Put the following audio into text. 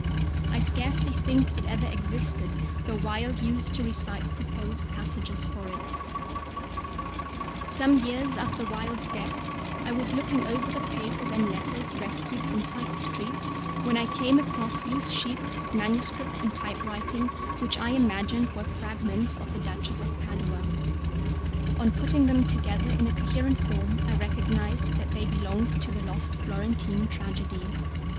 I scarcely think it ever existed, though Wilde used to recite proposed passages for it. Some years after Wilde's death I was looking over the papers and letters rescued from Tite Street when I came across loose sheets of manuscript and typewriting, which I imagined were fragments of The Duchess of Padua; on putting them together in a coherent form I recognised that they belonged to the lost Florentine Tragedy.